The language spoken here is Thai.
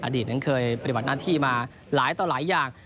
ตนั้นเคยปฏิบัติหน้าที่มาหลายต่อหลายอย่าง